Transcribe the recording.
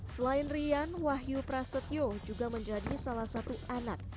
selain rian wahyu prasetyo juga menjadi salah satu anak